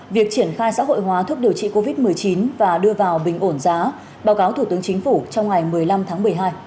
việc triển khai xã hội hóa thuốc điều trị covid một mươi chín và đưa vào bình ổn giá báo cáo thủ tướng chính phủ trong ngày một mươi năm tháng một mươi hai